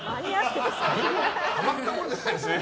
たまったもんじゃないですね。